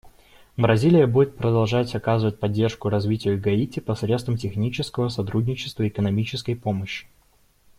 Бразилия будет продолжать оказывать поддержку развитию Гаити посредством технического сотрудничества и экономической помощи.